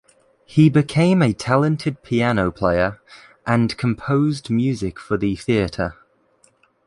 He became a talented piano player and composed music for the theater.